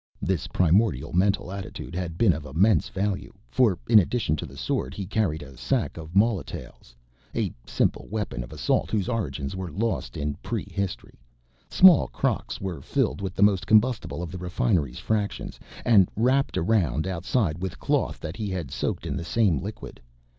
This primordial mental attitude had been of immense value for in addition to the sword he carried a sack of molotails, a simple weapon of assault whose origins were lost in pre history. Small crocks were filled with the most combustible of the refinery's fractions and wrapped around outside with cloth that he had soaked in the same liquid.